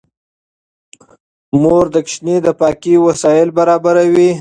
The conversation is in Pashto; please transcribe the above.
مور د ماشوم د پاکۍ وسايل برابروي.